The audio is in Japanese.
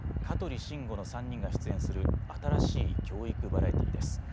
香取慎吾の３人が出演する新しい教育バラエティーです。